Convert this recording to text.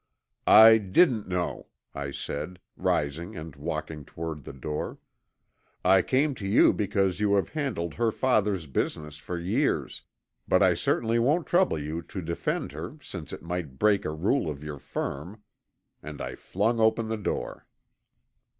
"I didn't know," I said, rising and walking toward the door. "I came to you because you have handled her father's business for years, but I certainly won't trouble you to defend her since it might break a rule of your firm," and I flung open the door.